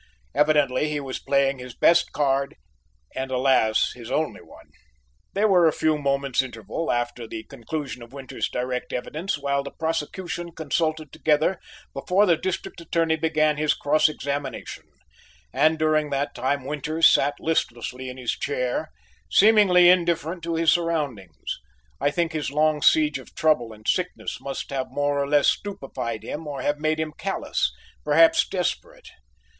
Evidently he was playing his best card, and, alas! his only one. There was a few moments interval after the conclusion of Winters's direct evidence while the prosecution consulted together before the District Attorney began his cross examination, and during that time Winters sat listlessly in his chair, seemingly indifferent to his surroundings. I think his long siege of trouble and sickness must have more or less stupefied him or have made him callous, perhaps desperate.